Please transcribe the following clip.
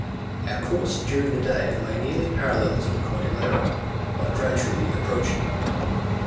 Our course during the day lay nearly parallel to the Cordillera, but gradually approaching them.